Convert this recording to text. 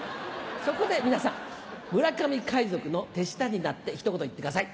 そこで皆さん村上海賊の手下になってひと言言ってください。